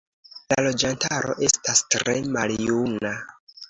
La loĝantaro estas tre maljuna.